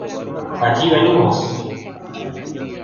Aquí venimos!